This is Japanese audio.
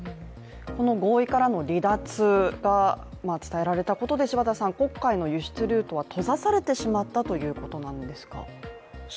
この合意からの離脱が伝えられたことで黒海の輸出ルートは閉ざされてしまったということなんですか？